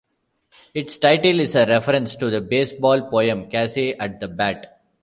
Its title is a reference to the baseball poem "Casey at the Bat".